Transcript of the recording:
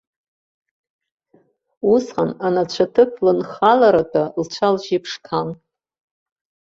Усҟан анацәаҭыԥ лынхаларатәы лцәа-лжьы ԥшқан.